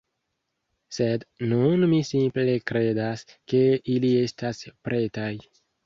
Sed nun mi simple kredas, ke ili estas pretaj